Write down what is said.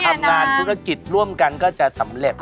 ทำงานธุรกิจร่วมกันก็จะสำเร็จ